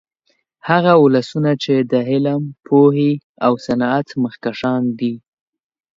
هغه ولسونه چې د علم، پوهې او صنعت مخکښان دي